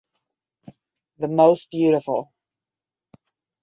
The most beautiful.